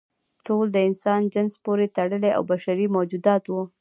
ټول د انسان جنس پورې تړلي او بشري موجودات وو.